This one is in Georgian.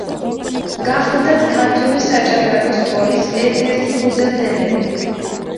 გახლდათ, ქართული საჭადრაკო სკოლის ერთ-ერთი ფუძემდებელი.